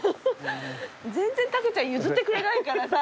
全然竹ちゃん譲ってくれないからさ。